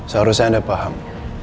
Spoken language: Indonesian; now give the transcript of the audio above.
seharusnya anda paham